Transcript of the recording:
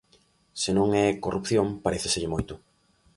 Se non é corrupción, paréceselle moito.